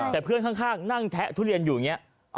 แต่เพื่อนข้างนั่งแทะทุเรียนอยู่อย่างนี้